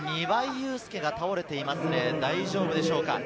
祐輔が倒れていますね、大丈夫でしょうか？